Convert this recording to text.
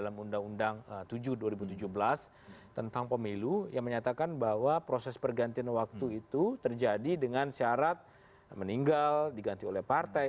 dalam undang undang tujuh dua ribu tujuh belas tentang pemilu yang menyatakan bahwa proses pergantian waktu itu terjadi dengan syarat meninggal diganti oleh partai